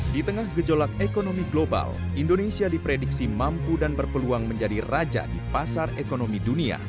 di tengah gejolak ekonomi global indonesia diprediksi mampu dan berpeluang menjadi raja di pasar ekonomi dunia